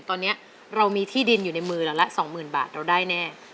ตอนนี้เรามีที่ดินอยู่ในมือเราละ๒๐๐๐บาทเราได้แน่